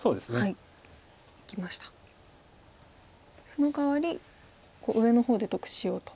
そのかわり上の方で得しようと。